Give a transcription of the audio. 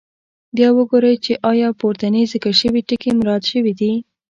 بیا وګورئ چې آیا پورتني ذکر شوي ټکي مراعات شوي دي.